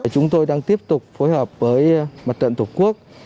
chúng tôi đang tiếp tục phối hợp với mặt trận tổ quốc